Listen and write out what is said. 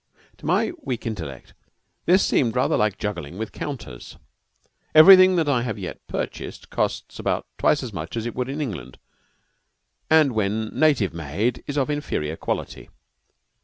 To my weak intellect this seemed rather like juggling with counters. Everything that I have yet purchased costs about twice as much as it would in England, and when native made is of inferior quality.